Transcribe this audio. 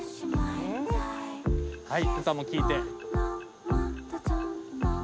はい歌も聴いて。